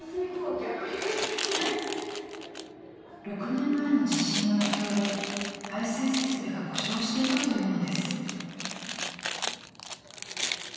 ６年前の地震の影響で排水設備が故障していたというのです。